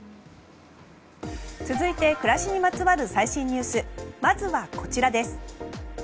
続いて暮らしにまつわる最新ニュースまずは、こちらです。